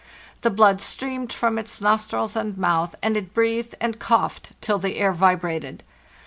The blood streamed from its nostrils and mouth, and it breathed and coughed till the air vibrated.